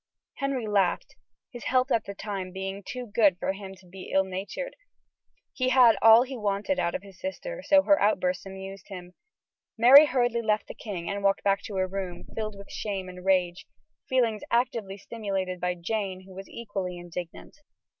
Henry laughed, his health at that time being too good for him to be ill natured. He had all he wanted out of his sister, so her outbursts amused him. Mary hurriedly left the king and walked back to her room, filled with shame and rage; feelings actively stimulated by Jane, who was equally indignant.